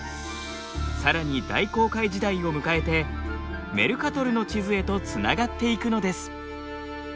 さらに大航海時代を迎えてメルカトルの地図へとつながっていくのです。